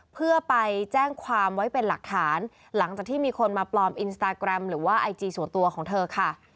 เพื่อไปแจ้งความไว้เป็นหลักฐานหลังจากที่มีคนมาปลอมอินสตาแกรมหรือว่าไอจีส่วนตัวของเธอค่ะ